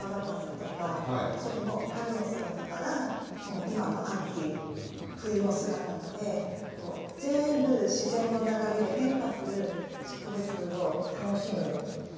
それも春の姿から今の秋冬の姿まで全部自然の流れで変化する植物を楽しむお庭だと思います。